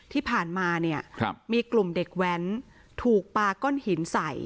ที่ผ่านมาเนี่ยมีกลุ่มเด็กแว้นถูกปาก้อนหินใส่